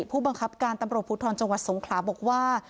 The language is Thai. ผู้บังคับการตำรวจภูทรจังหวัดสงขลาบอกว่า